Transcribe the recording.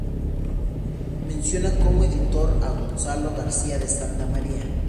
Menciona como editor a Gonzalo García de Santa María.